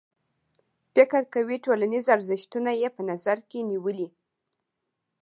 فکر کوي ټولنیز ارزښتونه یې په نظر کې نیولي.